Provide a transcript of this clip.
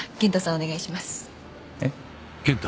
お願いしますえっ？